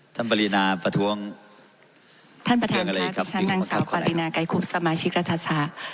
ปรินาประท้วงท่านประธานค่ะที่ฉันนางสาวปารินาไกรคุบสมาชิกรัฐศาสตร์